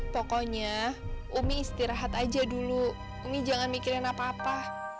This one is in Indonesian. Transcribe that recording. pokoknya umi istirahat aja dulu umi jangan mikirin apa apa